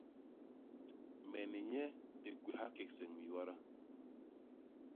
Me ni nye di kwéha kégse ñwii wada.